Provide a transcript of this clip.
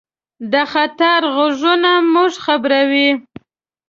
د خطر غږونه موږ خبروي.